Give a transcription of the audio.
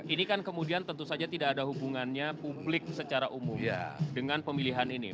ini kan kemudian tentu saja tidak ada hubungannya publik secara umum dengan pemilihan ini